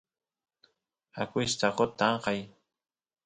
akuyshtaqot tankay